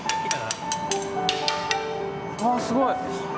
ああすごい！